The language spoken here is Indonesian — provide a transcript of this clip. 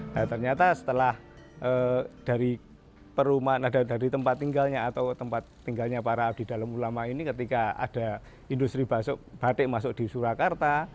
nah ternyata setelah dari perumahan dari tempat tinggalnya atau tempat tinggalnya para abdi dalam ulama ini ketika ada industri batik masuk di surakarta